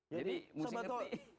jadi musik ngetik